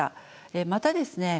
またですね